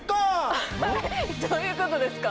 どういうことですか？